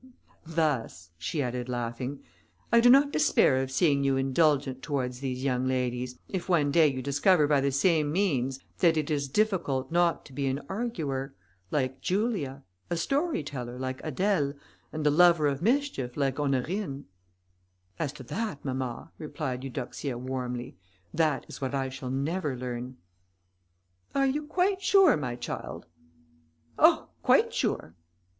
Thus," she added, laughing, "I do not despair of seeing you indulgent towards these young ladies, if one day you discover by the same means, that it is difficult not to be an arguer, like Julia; a story teller, like Adèle; and a lover of mischief, like Honorine." "As to that mamma," replied Eudoxia, warmly, "that is what I shall never learn." "Are you quite sure, my child?" "Oh! quite sure."